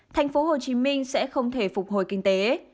tp hcm sẽ không thể phục hồi kinh tế